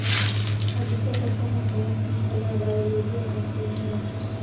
Alipenda sana sayansi mpya za biolojia na kemia.